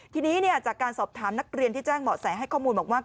ทีนี้จากการสอบถามนักเรียนที่แจ้งเหมาะแสให้ข้อมูลบอกว่า